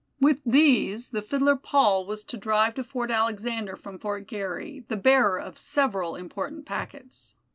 With these the Fiddler Paul was to drive to Fort Alexander from Fort Garry the bearer of several important packets.